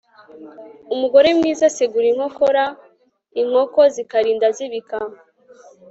umugore mwiza asegura inkokora inkoko zikarinda zibika